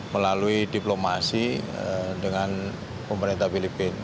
melalui diplomasi dengan pemerintah filipina